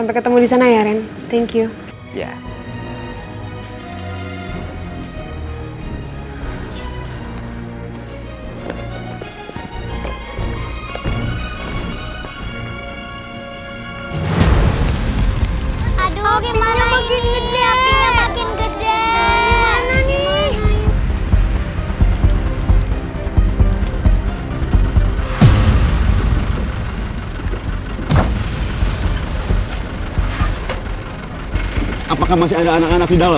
mau ketemu dimana ya